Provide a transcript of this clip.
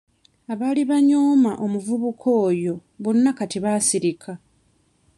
Abaali banyooma omuvubuka oyo bonna kati baasirika.